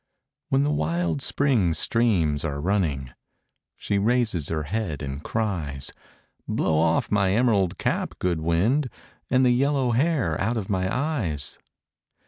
When the wild spring streams are running, She raises her head and cries, "Blow off my emerald cap, good wind, And the yellow hair out of my eyes!"